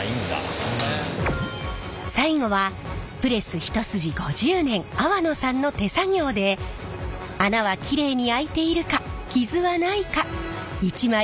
最後はプレス一筋５０年粟野さんの手作業で穴はきれいに空いているか傷はないか一枚一枚入念にチェック。